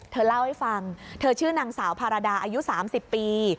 เธอเล่าให้ฟังเธอชื่อนางสาวภารดาอายุ๓๐ปี